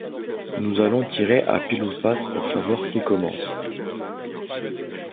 Nous allons tirer à pile ou face pour savoir qui commence.